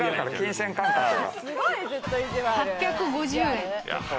８５０円？